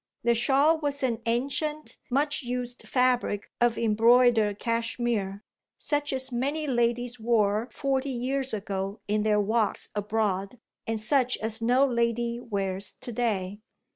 The shawl was an ancient much used fabric of embroidered cashmere, such as many ladies wore forty years ago in their walks abroad and such as no lady wears to day.